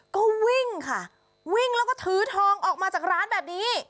ก็วิ่งค่ะวิ่งแล้วก็ถือทองออกมาจากร้านแบบนี้